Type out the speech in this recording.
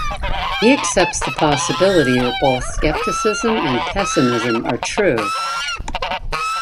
He accepts the possibility that both scepticism and pessimism are true.